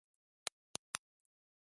夕焼け空の美しさに息をのんだ